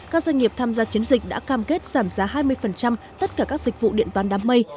các doanh nghiệp tham gia chiến dịch đã cam kết giảm giá hai mươi tất cả các dịch vụ điện toán đám mây